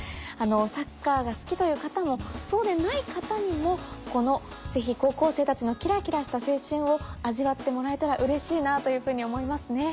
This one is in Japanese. サッカーが好きという方もそうでない方にもこのぜひ高校生たちのキラキラした青春を味わってもらえたらうれしいなというふうに思いますね。